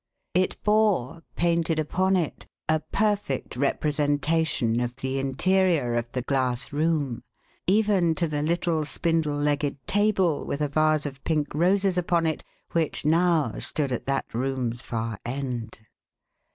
It bore, painted upon it, a perfect representation of the interior of the glass room, even to the little spindle legged table with a vase of pink roses upon it which now stood at that room's far end.